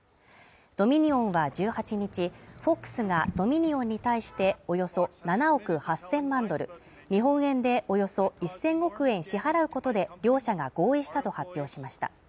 ドミニオンは１８日、ＦＯＸがドミニオンに対して、およそ７億８０００万ドル日本円でおよそ１０００億円支払うことで、両者が合意したと発表しました。